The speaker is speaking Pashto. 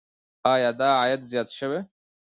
آیا دا عاید زیات شوی؟